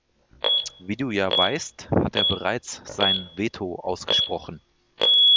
Wie du ja weißt, hat er bereits sein Veto ausgesprochen.